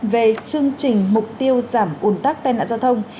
về chương trình mục tiêu giảm ủn tắc tai nạn giao thông